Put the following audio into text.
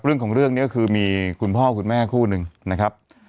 เรื่องของเรื่องนี้ก็คือมีคุณพ่อคุณแม่คู่หนึ่งนะครับ